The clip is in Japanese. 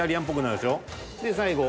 で最後